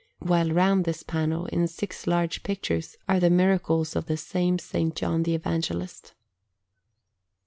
while round this panel, in six large pictures, are the miracles of the same S. John the Evangelist.